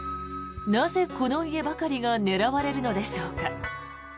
なぜ、この家ばかりが狙われるのでしょうか。